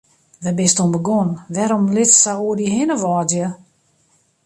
Wêr bist oan begûn, wêrom litst sa oer dy hinne wâdzje?